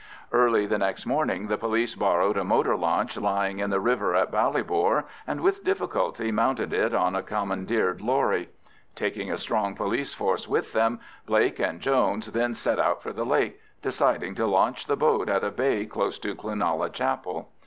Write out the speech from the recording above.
Early the next morning the police borrowed a motor launch lying in the river at Ballybor, and with difficulty mounted it on a commandeered lorry. Taking a strong police force with them, Blake and Jones then set out for the lake, deciding to launch the boat at a bay close to Cloonalla chapel.